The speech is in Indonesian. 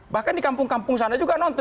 bahkan di kampung kampung sana juga nonton